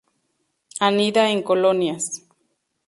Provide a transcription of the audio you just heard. Anida en colonias.